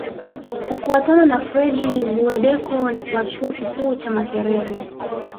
Kufuatana na Fred Guweddeko wa Chuo Kikuu cha Makerere